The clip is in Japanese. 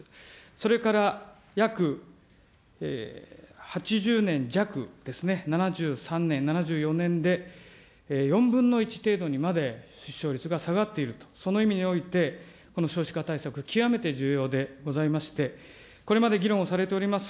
それから約８０年弱ですね、７３年、７４年で、４分の１程度にまで出生率が下がっていると、その意味において、この少子化対策、極めて重要でございまして、これまで議論をされております